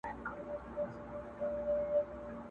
د اجل قاصد نیژدې سو کور یې وران سو!.